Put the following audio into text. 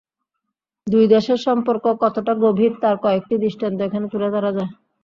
দুই দেশের সম্পর্ক কতটা গভীর তার কয়েকটি দৃষ্টান্ত এখানে তুলে ধরা যায়।